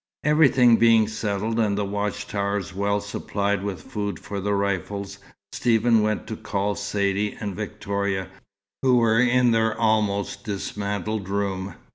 Everything being settled, and the watch towers well supplied with food for the rifles, Stephen went to call Saidee and Victoria, who were in their almost dismantled room.